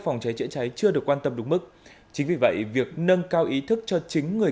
phòng cháy chữa cháy chưa được quan tâm đúng mức chính vì vậy việc nâng cao ý thức cho chính người